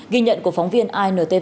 ghi nhận của phóng viên intv